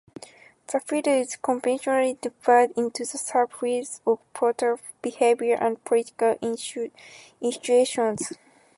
The field is conventionally divided into the sub-fields of political behavior and political institutions.